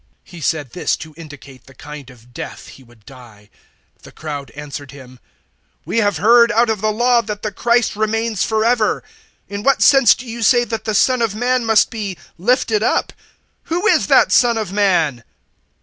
012:033 He said this to indicate the kind of death He would die. 012:034 The crowd answered Him, "We have heard out of the Law that the Christ remains for ever. In what sense do you say that the Son of Man must be lifted up? Who is that Son of Man?"